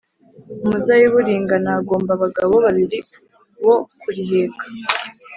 umuzabibu ringana Hagomba abagabo babiri bo kuriheka